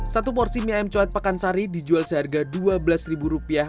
satu porsi mie ayam cowet pekansari dijual seharga dua rupiah